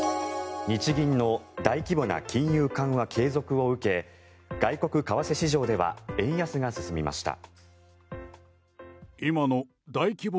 日銀の大規模な金融緩和継続を受け外国為替市場では円安が進みました。